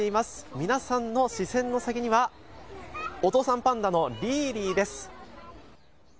皆さんの視線の先にはお父さんパンダのリーリーです。